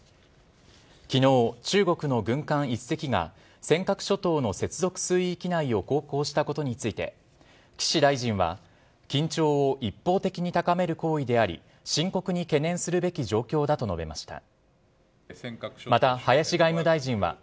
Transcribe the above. きのう、中国の軍艦１隻が、尖閣諸島の接続水域内を航行したことについて、岸大臣は、緊張を一方的に高める行為であり、深刻に懸念するべき状況だと述べました。